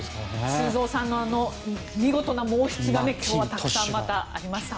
修造さんの見事な毛筆が今日はたくさんまたありました。